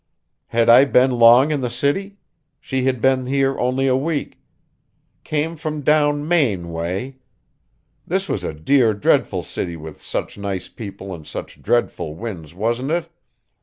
Had I been long in the city? She had been here only a week. Came from down Maine way. This was a dear, dreadful city with such nice people and such dreadful winds, wasn't it?